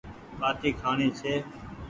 ٻآٽي کآڻي ڇي